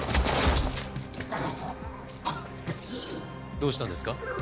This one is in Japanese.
どうしたんですか？